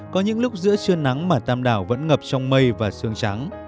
có những lúc giữa trưa nắng mà tam đảo vẫn ngập trong mây và sương trắng